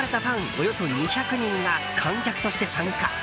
およそ２００人が観客として参加。